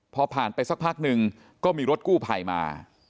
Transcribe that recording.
พอผ่านไปสักพักหนึ่งก็มีรถกู้ภัยมา